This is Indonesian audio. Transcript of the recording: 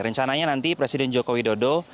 rencananya nanti presiden joko widodo